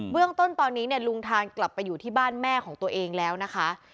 เรื่องต้นตอนนี้ลุงทานกลับไปอยู่ที่บ้านแม่ของตัวเองแล้วนะคะ